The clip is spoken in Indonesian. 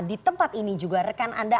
di tempat ini juga rekan anda